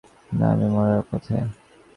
না, আমি মরার পথে।